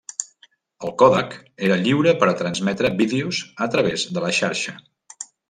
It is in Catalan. El còdec era lliure per transmetre vídeos a través de la xarxa.